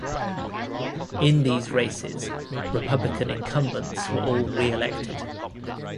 In these races, Republican incumbents were all reelected.